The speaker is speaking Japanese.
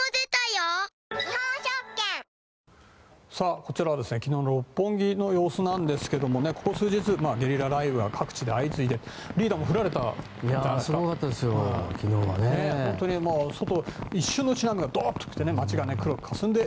こちらは昨日の六本木の様子なんですけれどもここ数日ゲリラ雷雨が各地で相次いでリーダーも降られたんじゃないですか。